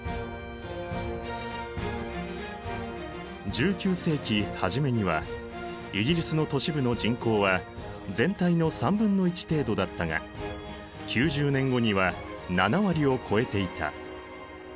１９世紀初めにはイギリスの都市部の人口は全体の1/3程度だったが９０年後には７割を超えていた。